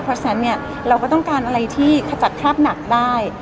เพราะฉะนั้นเนี่ยเราก็ต้องการอะไรที่ขจัดคราบหนักได้